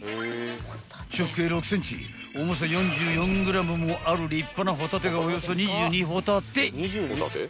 ［直径６ｃｍ重さ４４ｇもある立派なホタテがおよそ２２ホタテ］